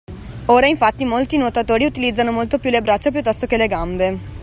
Ora, infatti, molti nuotatori utilizzano molto più le braccia piuttosto che le gambe